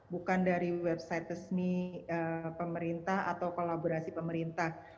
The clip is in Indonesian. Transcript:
bukan dari website resmi pemerintah atau kolaborasi pemerintah